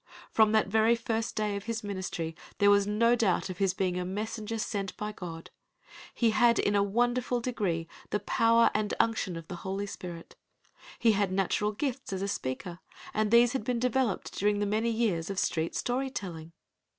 From that very first day of his ministry, there was no doubt of his being a messenger sent by God. He had in a wonderful degree the power and unction of the Holy Spirit. He had natural gifts as a speaker, and these had been developed during the many years of street story telling.